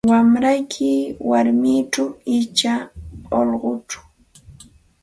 Wamrayki warmichu icha ullquchu?